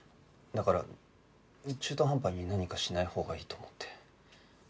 だから中途半端に何かしないほうがいいと思って。